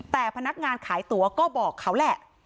แต่พนักงานขายตั๋วก็บอกเขาแหละ